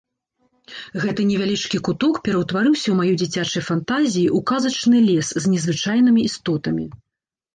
Гэты невялічкі куток ператварыўся ў маёй дзіцячай фантазіі ў казачны лес з незвычайнымі істотамі.